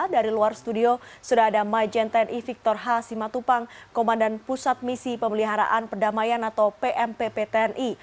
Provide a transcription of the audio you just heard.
dari luar studio sudah ada maijen tni victor h simatupang komandan pusat misi pemeliharaan perdamaian atau pmpp tni